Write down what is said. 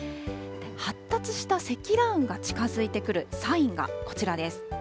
発達した積乱雲が近づいてくるサインがこちらです。